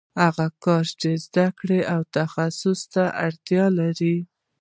هغه کار چې زده کړې او تخصص ته اړتیا لري